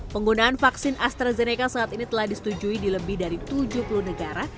penggunaan vaksin astrazeneca saat ini telah disetujui di lebih dari tujuh puluh negara